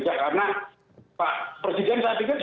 nah itu tidak berat sekarang mengunduskan itu